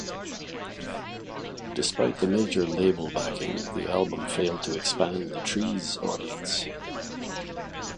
Despite the major label backing, the album failed to expand the Trees' audience.